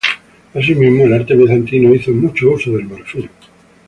Asimismo, el arte bizantino hizo mucho uso del marfil.